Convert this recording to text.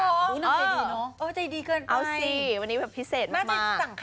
เจ้าเองกันการรึไงเอาสีวันนี้แบบพิเศษมากมาก